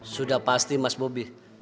sudah pasti mas bobby